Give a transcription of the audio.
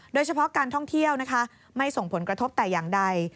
โดยเฉพาะการท่องเที่ยวนะคะไม่ส่งผลกระทบแต่อย่างใด